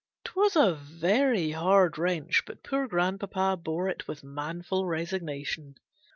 'Twas a very hard wrench, but poor grandpapa bore it with manful resignation.